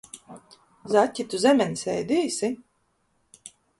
Zaķi, tu zemenes ēdīsi?